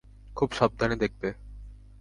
খুব সাবধানে দেখবে!